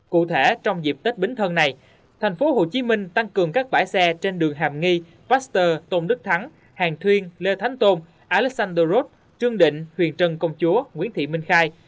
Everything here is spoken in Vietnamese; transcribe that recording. cụ thể trong dịp tết bính thân này tp hcm tăng cường các bãi xe trên đường hàm nghi pasteur tôn đức thắng hàng thuyên lê thánh tôn alexand dorot trương định huyền trân công chúa nguyễn thị minh khai